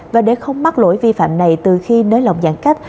và để không mắc lỗi vi phạm này từ khi nới lỏng giãn cách